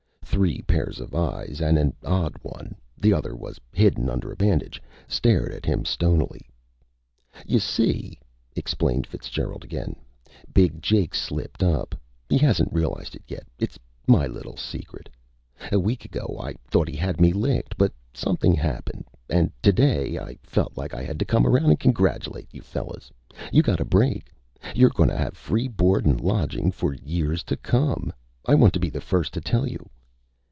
Three pairs of eyes and an odd one the other was hidden under a bandage stared at him stonily. "Y'see," explained Fitzgerald again, "Big Jake's slipped up. He hasn't realized it yet. Its my little secret. A week ago I thought he had me licked. But somethin' happened, and today I felt like I had to come around and congratulate you fellas. You got a break! You're gonna have free board and lodging for years to come! I wanted to be the first to tell you!"